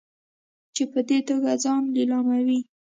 چې په دې توګه ځان لیلاموي.